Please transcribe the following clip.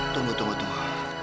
tunggu tunggu tunggu